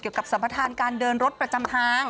เกี่ยวกับสัมพัฒนาการเดินรถประจำทาง